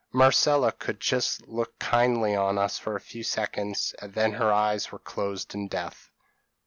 Marcella could just look kindly on us for a few seconds, and then her eyes were closed in death.